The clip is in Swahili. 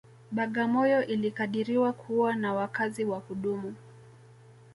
Bagamoyo ilikadiriwa kuwa na wakazi wa kudumu